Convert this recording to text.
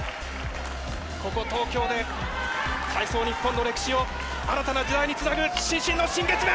ここ東京で、体操日本の歴史を新たな時代につなぐ伸身の新月面。